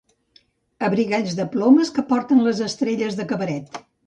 Abrigalls de plomes que porten les estrelles de cabaret.